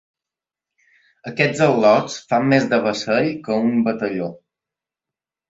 Aquests al·lots fan més devessell que un batalló!